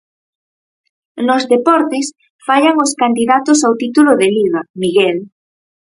Nos deportes, fallan os candidatos ao título de Liga, Miguel.